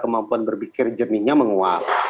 kemampuan berbicara jernihnya menguap